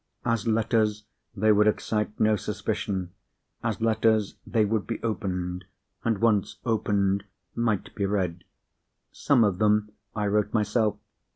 As letters they would excite no suspicion; as letters they would be opened—and, once opened, might be read. Some of them I wrote myself.